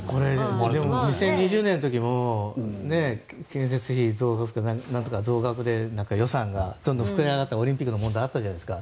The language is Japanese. ２０２０年の時も建設費増額で予算がどんどん膨れ上がったオリンピックの問題もあったじゃないですか。